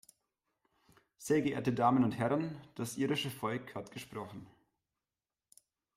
Sehr geehrte Damen und Herren, das irische Volk hat gesprochen.